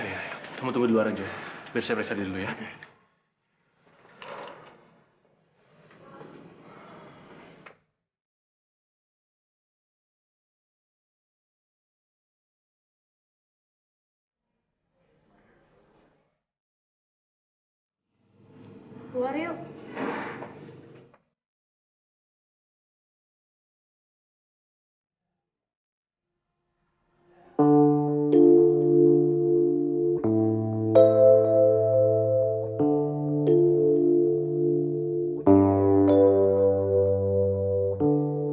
sampai jumpa di video selanjutnya